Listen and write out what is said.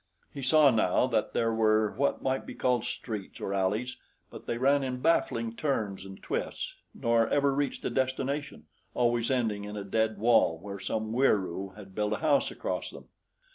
He saw now that there were what might be called streets or alleys, but they ran in baffling turns and twists, nor ever reached a destination, always ending in a dead wall where some Wieroo had built a house across them.